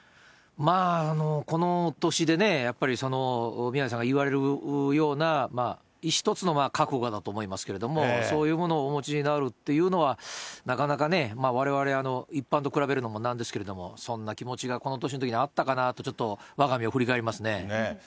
まあこの年で、やっぱり宮根さんが言われるような１つの覚悟だと思いますけれども、そういうものをお持ちになるっていうのは、なかなかね、われわれ一般と比べるのもなんですけれども、そんな気持ちがこの年のときにあったかなとちょっとわが身を振り返りますね。